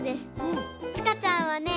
ちかちゃんはね